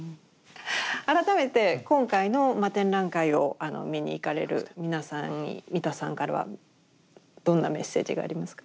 改めて今回の展覧会を見に行かれる皆さんに三田さんからはどんなメッセージがありますか？